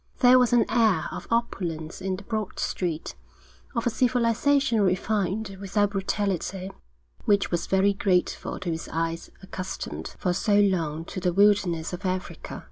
There was an air of opulence in the broad street, of a civilisation refined without brutality, which was very grateful to his eyes accustomed for so long to the wilderness of Africa.